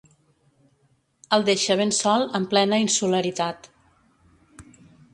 El deixa ben sol en plena insularitat.